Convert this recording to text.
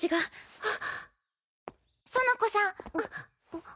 あっ。